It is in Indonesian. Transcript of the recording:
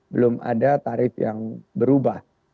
belum ada tarif yang berubah